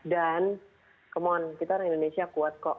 dan come on kita orang indonesia kuat kok